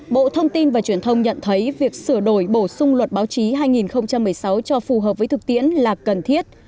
bộ thông tin và truyền thông nhận thấy việc sửa đổi bổ sung luật báo chí hai nghìn một mươi sáu cho phù hợp với thực tiễn là cần thiết